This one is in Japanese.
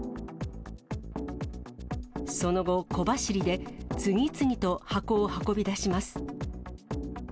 その後、小走りで、次々と箱を運び出します。